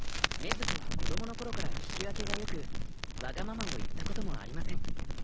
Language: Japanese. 禰豆子は子供のころから聞き分けがよくわがままを言ったこともありません。